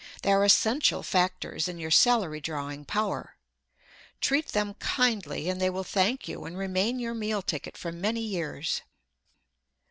They are essential factors in your salary drawing power. Treat them kindly, and they will thank you and remain your meal ticket for many years.